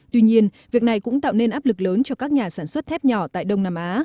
tuy nhiên việc này cũng tạo nên áp lực lớn cho các nhà sản xuất thép nhỏ tại đông nam á